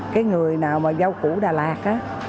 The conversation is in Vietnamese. cái người nào mà giao cũ đà lạt